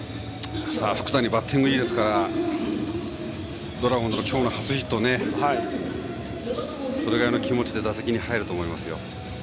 福谷はバッティングがいいですからドラゴンズの今日の初ヒットそれぐらいの気持ちで打席に入ると思いますよ。